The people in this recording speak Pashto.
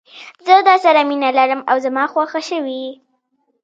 زه درسره مینه لرم او زما خوښه شوي یې.